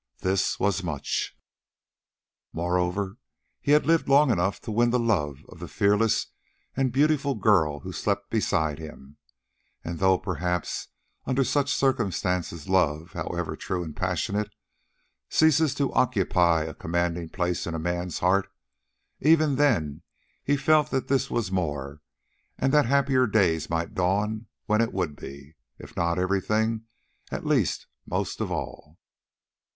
This was much. Moreover, he had lived long enough to win the love of the fearless and beautiful girl who slept beside him, and though perhaps under such circumstances love, however true and passionate, ceases to occupy a commanding place in a man's heart, even then he felt that this was more, and that happier days might dawn when it would be, if not everything, at least most of all.